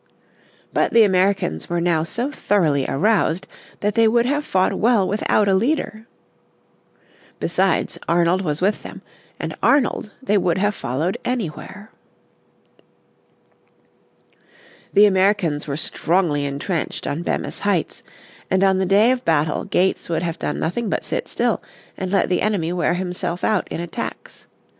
But the Americans were now so thoroughly aroused that they would have fought well without a leader. Besides, Arnold was with them, and Arnold they would have followed anywhere. The Americans were strongly entrenched on Bemis Heights, and on the day of battle Gates would have done nothing but sit still and let the enemy wear himself out in attacks.